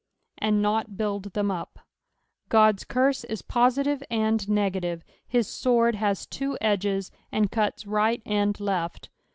" And not baild them up." Ood's curse is positive and negative ; his sword has two edges, and cuts right and left.